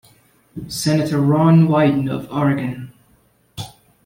Senator Ron Wyden of Oregon.